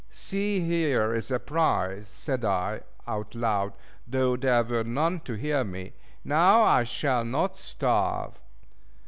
"See here is a prize!" said I, out loud, (though there were none to hear me), "now I shall not starve."